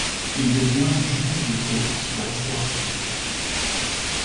Il devient juge de paix sous la Restauration.